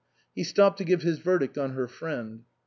He stopped to give his verdict on her friend.